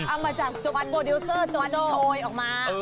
เอามาจากจุฟันโปรดิวเซอร์จุฟันโฮยออกมา